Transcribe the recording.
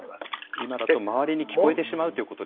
今だと周りに聞こえてしまうということですよね。